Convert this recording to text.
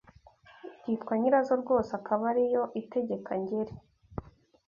Ikitwa nyirazo rwose Akaba ariyo itegeka Ngeri